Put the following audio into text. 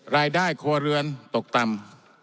รายได้ครัวเรือนตกต่ำ